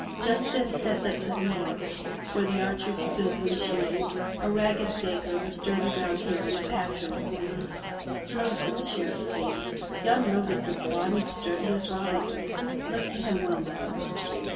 Just then stepped up to the mark where the archers stood when shooting, a ragged beggar with dirty brown hair and a patch over one eye. "Ho!" says the Sheriff's lady, "Yon rogue is as broad and sturdy as Robin Hood. Look to him well, my love."